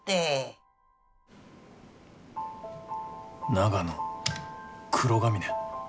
長野黒ヶ峰。